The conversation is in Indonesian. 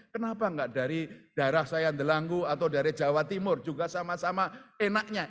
kenapa enggak dari daerah saya delanggu atau dari jawa timur juga sama sama enaknya